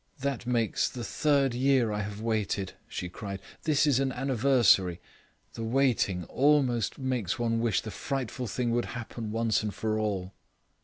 "That makes the third year I have waited," she cried. "This is an anniversary. The waiting almost makes one wish the frightful thing would happen once and for all."